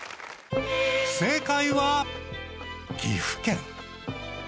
正解は岐阜県。